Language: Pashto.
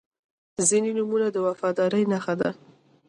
• ځینې نومونه د وفادارۍ نښه ده.